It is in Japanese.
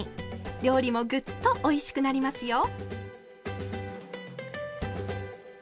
料理もぐっとおいしくなりますよ。